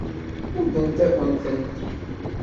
Muddent-akent-tent.